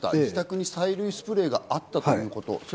自宅に催涙スプレーがあったということ。